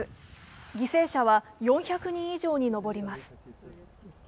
犠牲者は４００人以上に上ります。